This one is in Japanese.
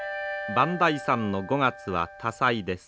磐梯山の５月は多彩です。